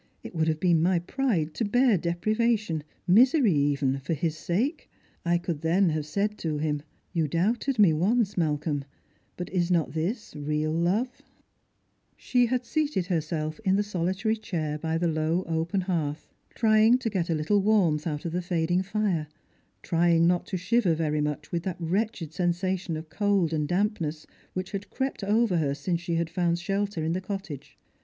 It would have been my pride to bear deiDrivation, misery even, for his safe. I could then have said to him, * Tou doubted me once, Malcolm, but is not this real loveP'" She had seated herself in the solitary chair close by the low open hearth, trying to get a little warmth out of the fading fire, trying not to shiver very much with that wretched sensation of cold and dampness which had crept over her since she had found shelter in the cottage.